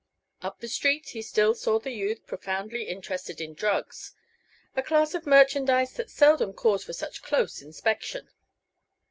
Up the street he still saw the youth profoundly interested in drugs a class of merchandise that seldom calls for such close inspection.